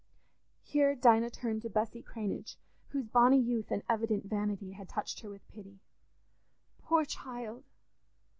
Here Dinah turned to Bessy Cranage, whose bonny youth and evident vanity had touched her with pity. "Poor child!